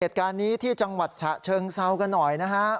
เหตุการณ์นี้ที่จังหวัดฉะเชิงเซากันหน่อยนะฮะ